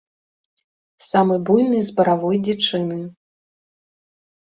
Самы буйны з баравой дзічыны.